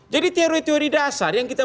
jadi teori teori dasar yang kita